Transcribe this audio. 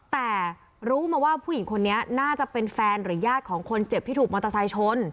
แต่รู้มาว่าผู้หญิงคนนี้น่าจะเป็นแฟนหรือญาติของคนเจ็บที่ถูกมอเตอร์ไซค์ชน